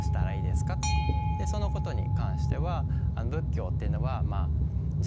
そのことに関しては。